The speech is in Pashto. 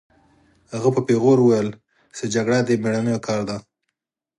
هغه په پیغور وویل چې جګړه د مېړنیو کار دی